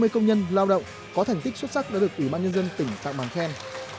ba mươi công nhân lao động có thành tích xuất sắc đã được ủy ban nhân dân tỉnh tặng bằng khen